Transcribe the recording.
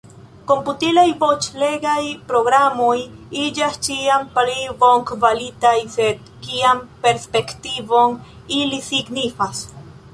Komputilaj voĉlegaj programoj iĝas ĉiam pli bonkvalitaj, sed kian perspektivon ili signifas?